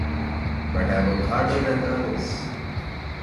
But I work harder than the others.